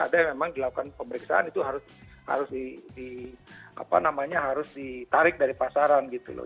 ada yang memang dilakukan pemeriksaan itu harus di apa namanya harus ditarik dari pasaran gitu loh